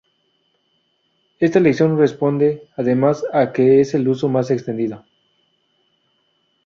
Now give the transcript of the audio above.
Esta elección responde, además, a que es el uso más extendido.